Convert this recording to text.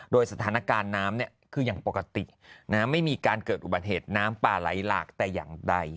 โดยสถานการณ์น้ำคืออย่างปกติไม่มีการเกิดอุบัติเหตุน้ำป่าไหลหลากแต่อย่างใด